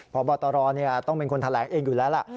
พบตรต้องเป็นคนแถลงเองอยู่แล้วล่ะ